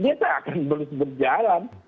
dia itu akan terus berjalan